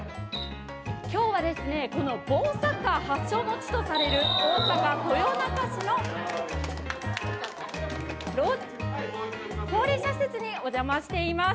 きょうはですね、この棒サッカー発祥の地とされる、大阪・豊中市の、高齢者施設にお邪魔しています。